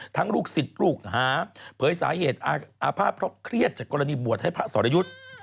ลูกศิษย์ลูกหาเผยสาเหตุอาภาพเพราะเครียดจากกรณีบวชให้พระสรยุทธ์